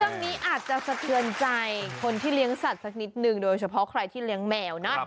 เรื่องนี้อาจจะสะเทือนใจคนที่เลี้ยงสัตว์สักนิดนึงโดยเฉพาะใครที่เลี้ยงแมวนะ